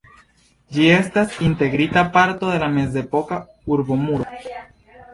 Ĝi estas integrita parto de la mezepoka urbomuro.